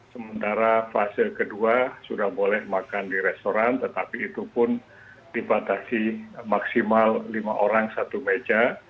sementara fase kedua sudah boleh makan di restoran tetapi itu pun dibatasi maksimal lima orang satu meja